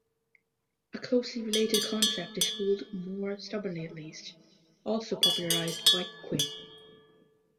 A closely related concept is hold more stubbornly at least, also popularized by Quine.